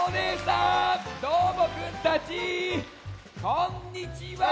こんにちは！